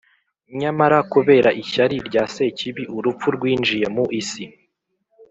nyamara kubera ishyari rya Sekibi, urupfu rwinjiye mu isi,